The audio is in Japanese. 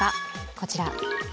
こちら。